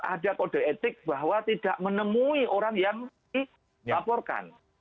ada kode etik bahwa tidak menemui orang yang dilaporkan